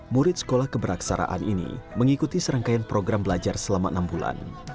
murid sekolah keberaksaraan ini mengikuti serangkaian program belajar selama enam bulan